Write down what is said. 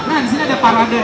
nah di sini ada parwanda nih